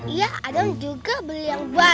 iya adam juga beli yang banyak